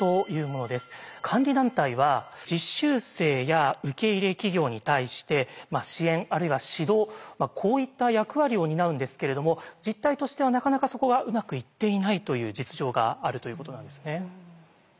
監理団体は実習生や受け入れ企業に対して支援あるいは指導こういった役割を担うんですけれども実態としてはなかなかそこがうまくいっていないという実情があるということなんですね。